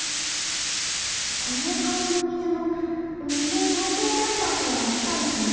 このかわの水も水再生センターからきたのかな？